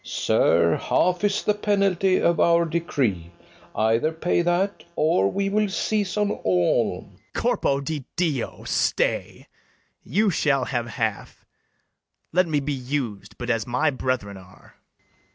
FERNEZE. Sir, half is the penalty of our decree; Either pay that, or we will seize on all. BARABAS. Corpo di Dio! stay: you shall have half; Let me be us'd but as my brethren are. FERNEZE.